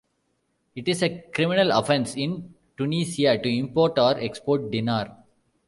It is a criminal offence in Tunisia to import or export dinar.